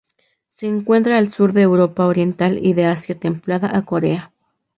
Se encuentra al sur de Europa oriental y de Asia templada a Corea.